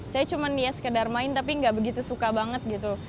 saya cuma ya sekedar main tapi nggak begitu suka banget gitu